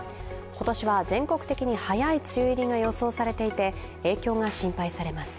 今年は全国的に早い梅雨入りが予想されていて影響が心配されます。